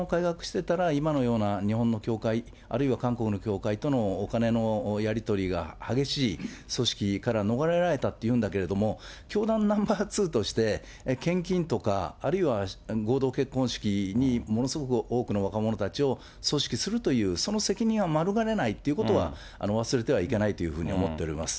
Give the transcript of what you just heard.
だから教団を改革してたら今の教団あるいは韓国の教会とのお金のやり取りが激しい組織から逃れられたというんだけれども、教団ナンバー２として、献金とか、あるいは合同結婚式にものすごく多くの若者たちを組織するという、その責任は免れないということは忘れてはいけないというふうに思っております。